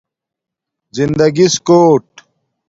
زندگݵس کوٹ